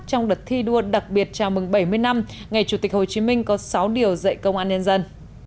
trong đợt thi đua đặc biệt chào mừng bảy mươi năm ngày chủ tịch hồ chí minh có sáu điều dạy công an nhân dân